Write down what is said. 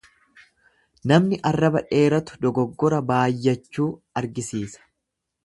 Namni arraba dheeratu dogoggora baayyachuu argisiisa.